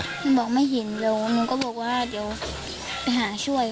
หนูบอกไม่เห็นเดี๋ยวหนูก็บอกว่าเดี๋ยวไปหาช่วย